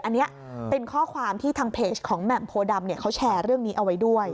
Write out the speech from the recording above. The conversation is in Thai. อันนี้เป็นข้อความที่ทางเพจของแหม่มโพดำเขาแชร์เรื่องนี้เอาไว้ด้วย